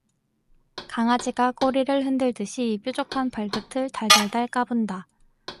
강아지가 꼬리를 흔들듯이 뾰족한 발끝을 달달달 까분다.